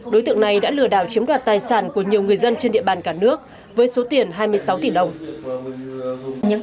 đối tượng này đã lừa đảo chiếm đoạt tài sản của nhiều người dân trên địa bàn cả nước với số tiền hai mươi sáu tỷ đồng